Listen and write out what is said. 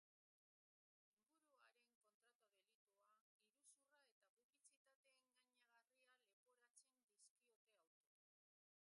Ingurugiroaren kontrako delitua, iruzurra eta publizitate engainagarria leporatzen dizkiote auto ekoizleari.